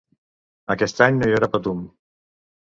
Aquest any no hi haurà Patum.